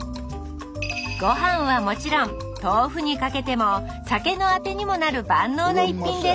ごはんはもちろん豆腐にかけても酒のあてにもなる万能な一品です